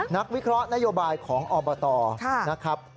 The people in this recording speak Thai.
วิเคราะห์นโยบายของอบตนะครับ